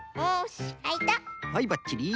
はいばっちり。